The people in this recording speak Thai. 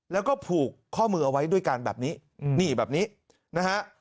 แล้วก็ผูกข้อมือเอาไว้ด้วยกันแบบนี้นี่แบบนี้นะฮะ